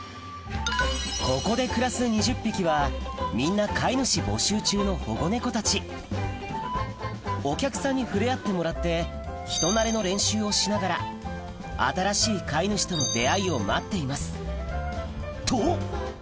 ここで暮らす保護猫たちお客さんに触れ合ってもらって人なれの練習をしながら新しい飼い主との出会いを待っていますと！